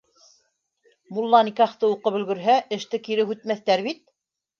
Мулла никахты уҡып өлгөрһә, эште кире һүтмәҫтәр бит?